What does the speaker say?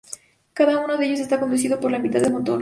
Cada uno de ellos está conducido por una mitad del motor.